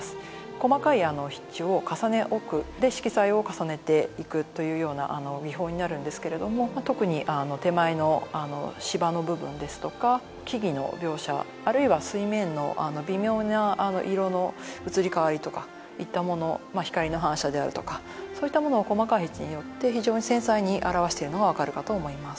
細かい筆致を重ね置くで色彩を重ねていくというような技法になるんですけれども特に手前の芝の部分ですとか木々の描写あるいは水面の微妙な色の移り変わりとかいったもの光の反射であるとかそういったものを細かい筆致によって非常に繊細に表しているのが分かるかと思います